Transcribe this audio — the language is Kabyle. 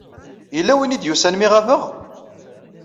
Yella win ay d-yusan mi ɣabeɣ?